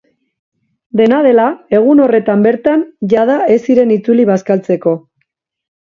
Dena dela, egun horretan bertan jada ez ziren itzuli bazkaltzeko.